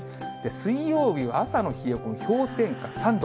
水曜日は朝の冷え込み、氷点下３度。